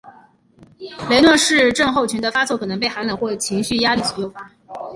雷诺氏症候群的发作可能被寒冷或是情绪压力所诱发。